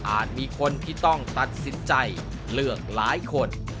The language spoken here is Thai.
มีคนที่ต้องตัดสินใจเลือกหลายคน